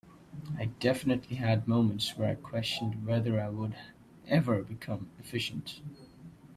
I definitely had moments where I questioned whether I would ever become efficient.